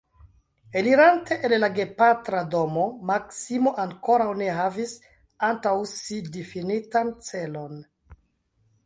Elirante el la gepatra domo, Maksimo ankoraŭ ne havis antaŭ si difinitan celon.